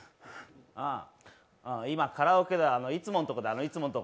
ああ、今、カラオケだ、いつものとこ、いつものとこ。